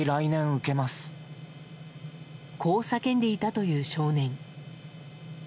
こう叫んでいたという少年。